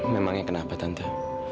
memangnya kenapa tante